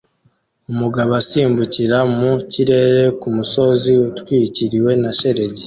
Umugabo asimbukira mu kirere kumusozi utwikiriwe na shelegi